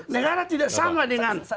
negara tidak sama dengan